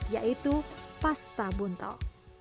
yaitu pasta buntol